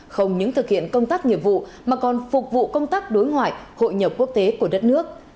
không những thực hiện công tác nghiệp vụ mà còn phục vụ công tác đối ngoại hội nhập quốc tế của đất nước